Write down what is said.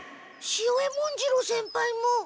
潮江文次郎先輩も。